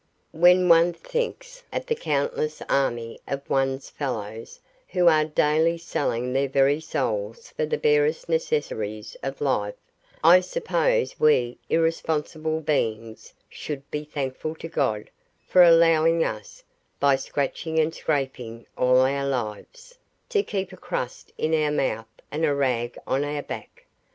When one thinks of the countless army of one's fellows who are daily selling their very souls for the barest necessaries of life, I suppose we irresponsible beings should be thankful to God for allowing us, by scratching and scraping all our lives, to keep a crust in our mouth and a rag on our back.